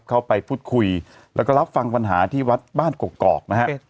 เข้าไปพูดคุยแล้วก็รับฟังปัญหาที่วัดบ้านกอกนะฮะ